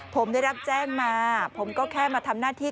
ผมได้รับแจ้งมาผมก็แค่มาทำหน้าที่